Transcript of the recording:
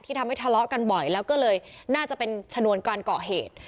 ทำให้ทะเลาะกันบ่อยแล้วก็เลยน่าจะเป็นชนวนการเกาะเหตุ